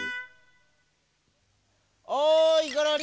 おいゴロリ！